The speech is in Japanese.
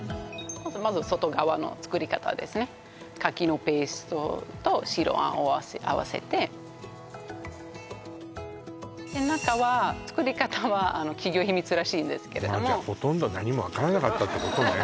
まず外側の作り方ですね柿のペーストと白餡をあわせてで中は作り方は企業秘密らしいんですけれどもじゃほとんど何もわからなかったってことね